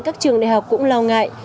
các trường đại học cũng lo ngại